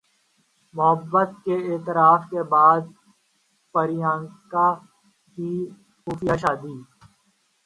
محبت کے اعتراف کے بعد پریانکا کی خفیہ شادی